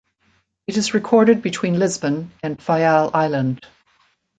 It is recorded between Lisbon and Faial Island.